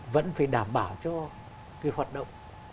vẫn phải đảm bảo cho cái hoạt động